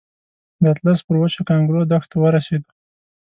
د اطلس پر وچو کانکرو دښتو ورسېدو.